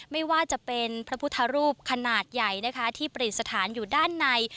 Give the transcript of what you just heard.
ไม่ว่าจะเป็นพระพุทธรูปขนาดใหญ่นะคะที่ปริศฐานอยู่ด้านใน